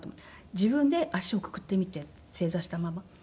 「自分で足をくくってみて正座したまま」。